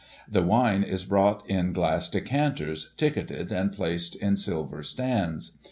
The wine is brought on in glass decanters, ticketed and placed in silver stands.